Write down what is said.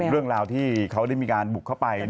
เรื่องราวที่เขาได้มีการบุกเข้าไป